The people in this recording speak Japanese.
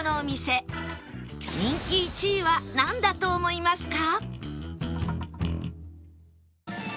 人気１位はなんだと思いますか？